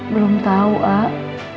belum tau ak